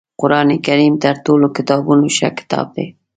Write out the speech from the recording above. قرآنکریم تر ټولو کتابونو ښه کتاب دی